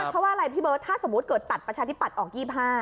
เพราะว่าอะไรพี่เบิร์ตถ้าสมมุติเกิดตัดประชาธิปัตย์ออก๒๕